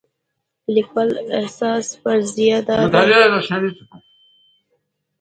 د لیکوال اساسي فرضیه دا ده.